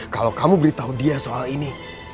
kalau kamu beritahu dia soal ini